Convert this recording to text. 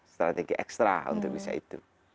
strategi ekstra untuk bisa itu